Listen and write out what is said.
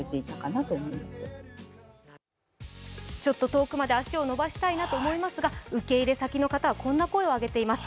遠くまで足を伸ばしたいなと思いますが受け入れ先の方は、こんな声を上げています。